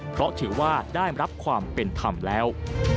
เพราะถือว่าได้รับความเป็นธรรมแล้ว